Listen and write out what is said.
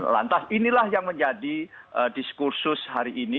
lantas inilah yang menjadi diskursus hari ini